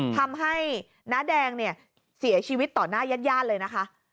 ทำให้น้าแดงเนี่ยเสียชีวิตต่อหน้าญาติญาติเลยนะคะ